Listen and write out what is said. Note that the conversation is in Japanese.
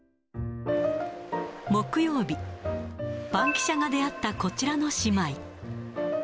木曜日、バンキシャが出会ったこちらの姉妹。